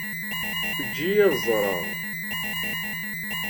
Eǧǧ-iyi ad ẓreɣ.